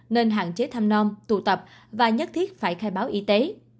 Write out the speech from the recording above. nên hạn chế thăm non tụ tập và nhất thiết phải khai báo y tế